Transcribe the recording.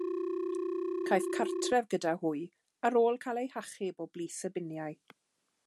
Caiff gartref gyda hwy ar ôl cael ei hachub o blith y biniau.